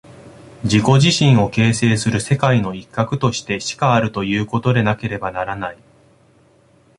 自己自身を形成する世界の一角としてしかあるということでなければならない。